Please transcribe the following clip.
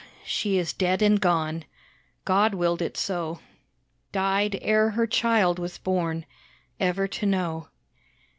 She is dead and gone, God willed it so. Died ere her child was born, Ever to know.